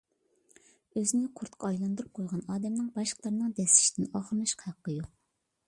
ئۆزىنى قۇرتقا ئايلاندۇرۇپ قويغان ئادەمنىڭ باشقىلارنىڭ دەسسىشىدىن ئاغرىنىشقا ھەققى يوق.